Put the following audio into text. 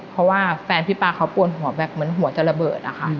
เพราะว่าแฟนพี่ป๊าเขาปวดหัวแบบเหมือนหัวจะระเบิดอะค่ะ